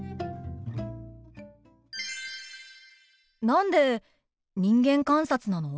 何で人間観察なの？